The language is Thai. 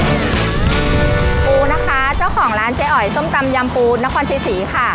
ปูนะคะเจ้าของร้านเจ๊อ๋อยส้มตำยำปูนครชัยศรีค่ะ